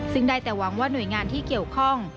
ซึ่งได้แต่หวังว่าหน่วยงานที่เกี่ยวข้อง